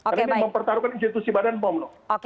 karena ini mempertaruhkan institusi badan pom loh